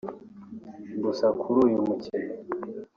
Gusa kuri uyu mukino